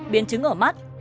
biến chứng ở mắt